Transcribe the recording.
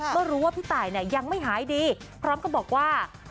เมื่อรู้ว่าพี่ตายเนี่ยยังไม่หายดีพร้อมก็บอกว่า